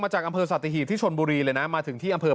จากอำเภอสัตหีบที่ชนบุรีเลยนะมาถึงที่อำเภอ